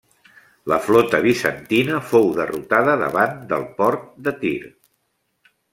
La flota bizantina fou derrotada davant del port de Tir.